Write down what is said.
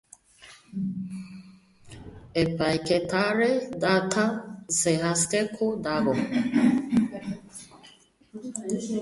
Epaiketaren data zehazteko dago.